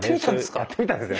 やってみたんですか？